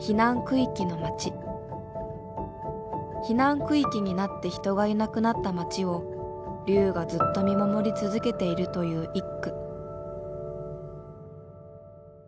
避難区域になって人がいなくなった町を竜がずっと見守り続けているという一句。